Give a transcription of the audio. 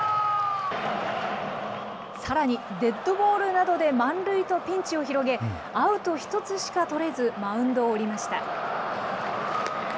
さらにデッドボールなどで満塁とピンチを広げ、アウト１つしか取れず、マウンドを降りました。